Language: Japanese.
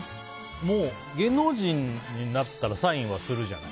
もう芸能人になったらサインはするじゃない？